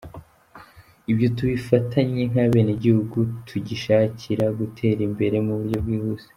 Ibyo tubifatanye nk’abenegihugu tugishakira gutera imbere mu buryo bwihuse.